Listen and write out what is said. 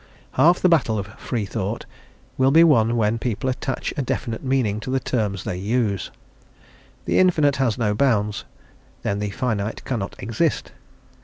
Half the battle of freethought will be won when people attach a definite meaning to the terms they use. The Infinite has no bounds; then the finite cannot exist.